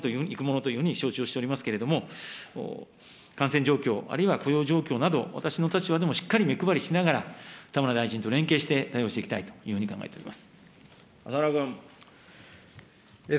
そのためにも厚労省において、適切に対応していかれるものというふうに承知をしておりますけれども、感染状況、あるいは雇用状況など、私の立場でもしっかり目配りしながら、田村大臣と連携して対応していきたいというふうに考えております。